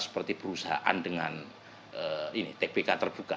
seperti perusahaan dengan tpk terbuka